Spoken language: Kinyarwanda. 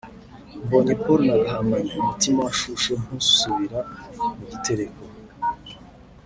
Mbonye Paul na Gahamanyi umutima washushe nk’usubira mu gitereko